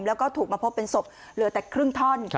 แล้วก็ถูกมาพบเป็นศพเหลือแต่ครึ่งท่อน